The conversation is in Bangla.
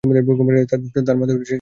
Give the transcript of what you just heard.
তার মাথা সামান্য ডান দিকে বাঁক আছে।